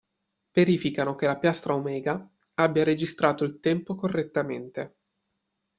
Verificano che la piastra omega abbia registrato il tempo correttamente.